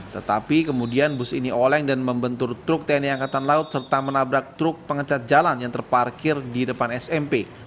tetapi kemudian bus ini oleng dan membentur truk tni angkatan laut serta menabrak truk pengecat jalan yang terparkir di depan smp